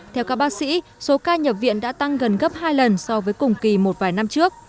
theo các bác sĩ số ca nhập viện đã tăng gần gấp hai lần so với cùng kỳ một vài năm trước